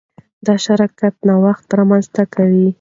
دا شرکت نوښت رامنځته کوي.